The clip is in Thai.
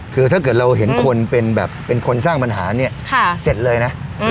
คือถ้าเกิดเราเห็นคนเป็นแบบเป็นคนสร้างปัญหาเนี่ยเสร็จเลยนะ